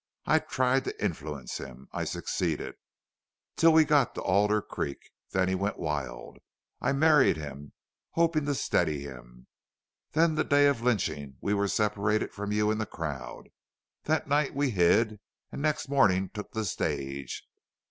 I tried to influence him. I succeeded till we got to Alder Creek. There he went wild. I married him hoping to steady him.... Then the day of the lynching we were separated from you in the crowd. That night we hid and next morning took the stage.